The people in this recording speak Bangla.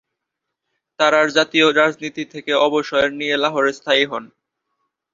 তারার জাতীয় রাজনীতি থেকে অবসর নিয়ে লাহোরে স্থায়ী হন।